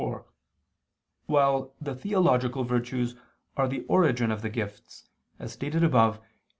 4), while the theological virtues are the origin of the gifts, as stated above (I II, Q.